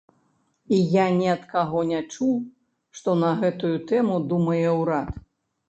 І я ні ад каго не чуў, што на гэтую тэму думае ўрад.